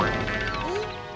えっ？